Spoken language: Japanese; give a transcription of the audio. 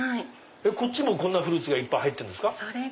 こっちもこんなフルーツがいっぱい入ってるんですか。